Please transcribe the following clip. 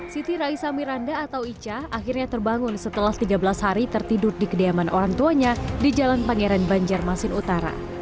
siti raisa miranda atau ica akhirnya terbangun setelah tiga belas hari tertidur di kediaman orang tuanya di jalan pangeran banjarmasin utara